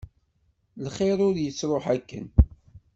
Lxir ur yettruḥ akken.